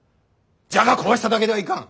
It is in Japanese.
じゃが壊しただけではいかん。